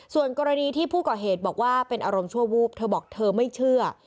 ส่วนกรณีที่ผู้ก่อเหตุบอกว่าเป็นอารมณ์ชั่ววูบเธอบอกเธอไม่เชื่อ